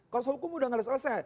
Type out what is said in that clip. kalau salah hukum sudah tidak selesai